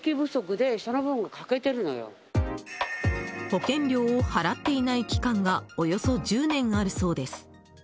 保険料を払っていない期間がおよそ１０年あるそうです。